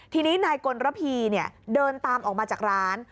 ทีนี้นายกลระพีเดินตามออกมาจากร้าน